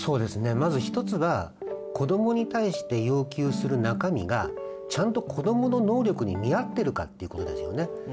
まず一つは子どもに対して要求する中身がちゃんと子どもの能力に見合ってるかっていうことですよね。